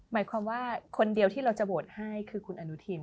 หมายความว่าคนเดียวที่เราจะโหวตให้คือคุณอนุทิน